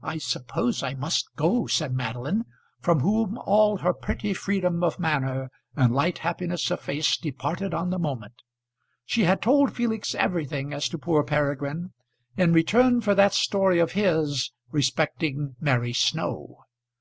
"I suppose I must go," said Madeline, from whom all her pretty freedom of manner and light happiness of face departed on the moment. She had told Felix everything as to poor Peregrine in return for that story of his respecting Mary Snow.